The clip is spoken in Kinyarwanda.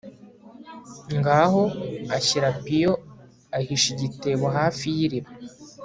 ngaho ashyira apiyo ahisha igitebo hafi y'iriba